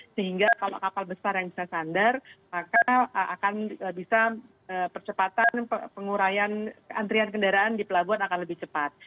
sehingga kalau kapal besar yang bisa sandar maka akan bisa percepatan pengurayan antrian kendaraan di pelabuhan akan lebih cepat